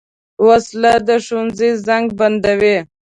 وسله د ښوونځي زنګ بندوي